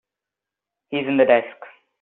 He's in the desk.